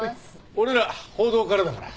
俺ら報道からだから。